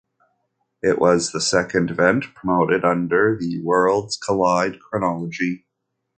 It was the second event promoted under the Worlds Collide chronology.